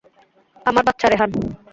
আমার বাচ্চা, রেহান!